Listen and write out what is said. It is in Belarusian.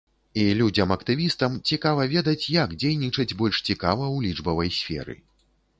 І людзям-актывістам цікава ведаць, як дзейнічаць больш цікава ў лічбавай сферы.